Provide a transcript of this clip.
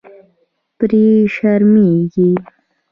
پرې شرمېږي.